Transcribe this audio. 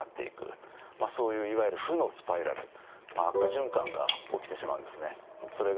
まあそういういわゆる負のスパイラル悪循環が起きてしまうんですね。